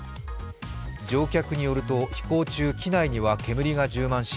乗客によると飛行中機内には煙が充満し